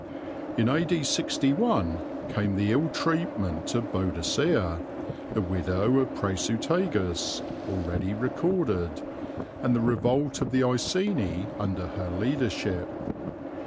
In A.D. 61 came the ill treatment of Boadicea, the widow of Prasutagus, already recorded, and the revolt of the Iceni under her leadership.